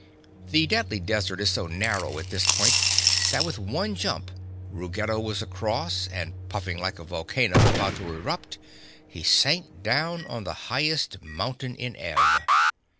The Deadly Desert is so narrow at this point that with one jump Ruggedo was across and, puffing like a volcano about to erupt, he sank down on the highest mountain in Ev.